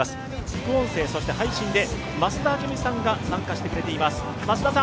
副音声、そして配信で増田明美さんが参加してくれています。